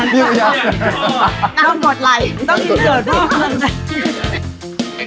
พี่อยากต้องตดไลน์ต้องอินเชิญพี่